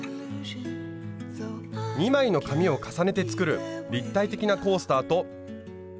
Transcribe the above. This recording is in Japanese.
２枚の紙を重ねて作る立体的なコースターと。